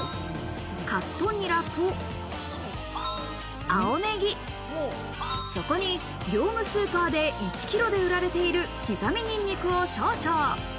カットニラと、青ネギ、そこに業務スーパーで１キロで売られている刻みニンニクを少々。